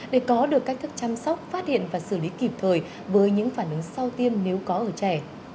để có được cách thức chăm sóc phát hiện và xử lý kịp thời với những phản ứng sau tiêm nếu có ở trẻ